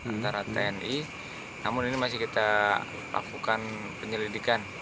antara tni namun ini masih kita lakukan penyelidikan